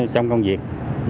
trong công việc